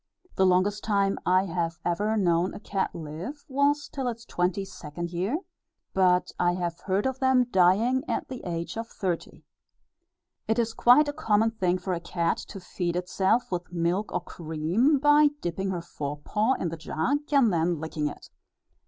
The longest time I have ever known a cat live, was till its twenty second year, but I have heard of them dying at the age of thirty. It is quite a common thing for a cat to feed itself with milk or cream, by dipping her forepaw in the jug, and then licking it.